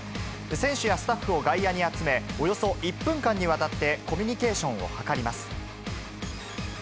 選手やスタッフを外野に集め、およそ１分間にわたってコミュニケーションを図ります。